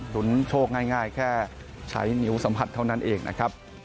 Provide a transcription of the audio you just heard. ดุลโชคง่ายแค่ใช้นิ้วสัมผัสเท่านั้นเอง